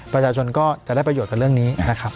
ประชาชนก็จะได้ประโยชน์กับเรื่องนี้นะครับ